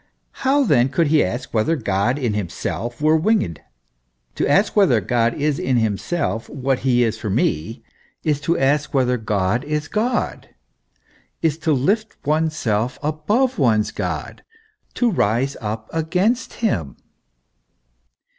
How, then, could he ask whether God in himself were winged ? To ask whether God is in himself what he is for me, is to ask whether God is God, is to lift oneself above one's God, to rise up against him.